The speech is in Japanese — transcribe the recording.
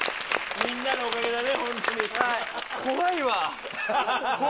みんなのおかげだね。